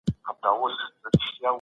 هر انسان خپل نظر او خپل تحلیل لري.